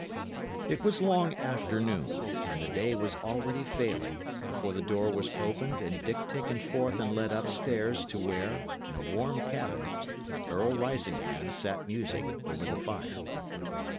It was long after noon, and the day was already failing, before the door was opened and Dick taken forth and led up stairs to where, in a warm cabinet, Earl Risingham sat musing over the fire.